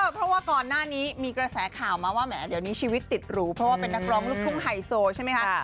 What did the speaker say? เพราะว่าก่อนหน้านี้มีกระแสข่าวมาว่าแหมเดี๋ยวนี้ชีวิตติดหรูเพราะว่าเป็นนักร้องลูกทุ่งไฮโซใช่ไหมคะ